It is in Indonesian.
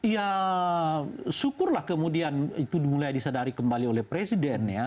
ya syukurlah kemudian itu dimulai disadari kembali oleh presiden ya